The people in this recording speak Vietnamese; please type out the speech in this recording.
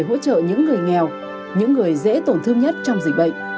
đang được nhân rộng để hỗ trợ những người nghèo những người dễ tổn thương nhất trong dịch bệnh